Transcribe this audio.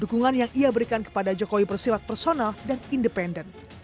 dukungan yang ia berikan kepada jokowi bersilat personal dan independen